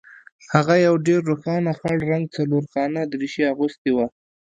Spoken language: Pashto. هغه یو ډیر روښانه خړ رنګه څلورخانه دریشي اغوستې وه